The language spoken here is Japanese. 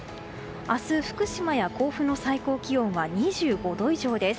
明日、福島や甲府の最高気温は２５度以上です。